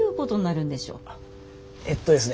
えっとですね